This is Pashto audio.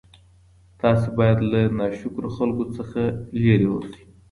تاسي باید له ناشکرو خلکو څخه لیري اوسئ.